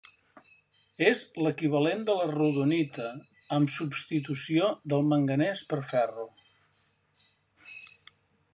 És l'equivalent de la rodonita amb substitució del manganès per ferro.